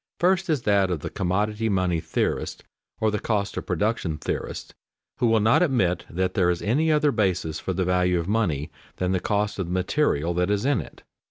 First is that of the commodity money theorists, or the cost of production theorists, who will not admit that there is any other basis for the value of money than the cost of the material that is in it.